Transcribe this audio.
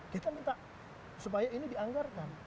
kita minta supaya ini dianggarkan